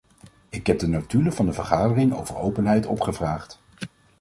Ik heb de notulen van de vergaderingen over openheid opgevraagd.